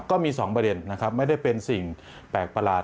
ก็มี๒ประเด็นนะครับไม่ได้เป็นสิ่งแปลกประหลาด